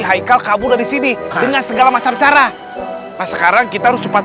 haikal kabur dari sini dengan segala macam cara nah sekarang kita harus cepat